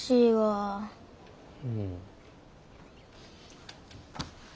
うん。